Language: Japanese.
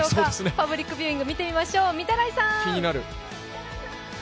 パブリックビューイング見てみましょう。